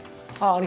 ああ。